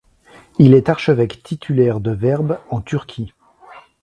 Il est archevêque titulaire de Verbe en Turquie.